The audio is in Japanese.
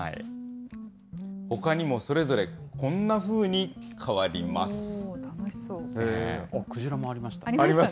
ほかにもそれぞれこんなふうに変わります。